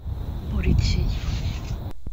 Nkurikiye